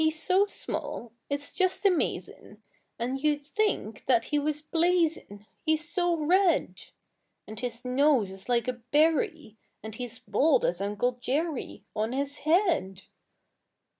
"] He's so small, it's just amazin', And you 'd think that he was blazin', He's so red; And his nose is like a berry, And he's bald as Uncle Jerry On his head.